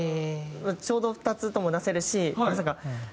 ちょうど２つとも出せるしまさか。